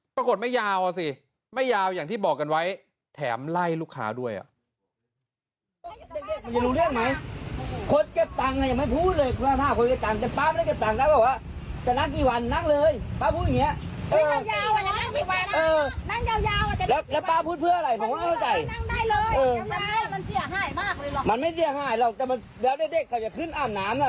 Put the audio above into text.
ปรากฏไม่ยาวอ่ะสิไม่ยาวอย่างที่บอกกันไว้แถมไล่ลูกค้าด้วย